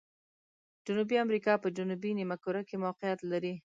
جنوبي امریکا په جنوبي نیمه کره کې موقعیت لري.